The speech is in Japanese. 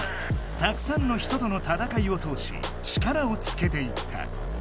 たくさんの人との戦いを通しチカラをつけていった。